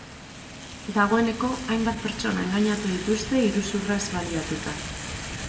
Dagoeneko hainbat pertsona engainatu dituzte iruzurraz baliatuta.